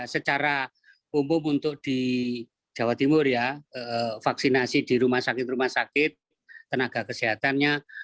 secara umum untuk di jawa timur ya vaksinasi di rumah sakit rumah sakit tenaga kesehatannya